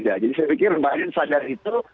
jadi saya pikir bayangkan sadar itu